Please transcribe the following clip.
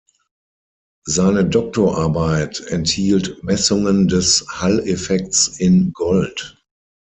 Seine Doktorarbeit enthielt Messungen des Hall-Effekts in Gold.